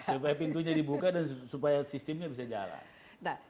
supaya pintunya dibuka dan supaya sistemnya bisa jalan